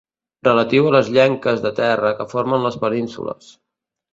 Relatiu a les llenques de terra que formen les penínsules.